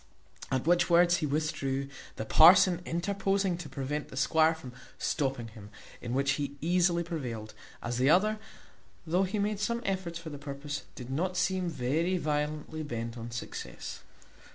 At which words he withdrew, the parson interposing to prevent the squire from stopping him, in which he easily prevailed, as the other, though he made some efforts for the purpose, did not seem very violently bent on success.